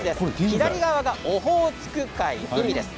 左側がオホーツク海、海です。